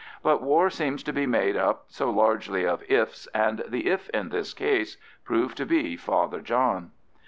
But war seems to be made up so largely of "ifs," and the "if" in this case proved to be Father John.